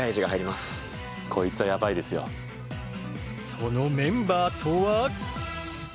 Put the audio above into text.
そのメンバーとは？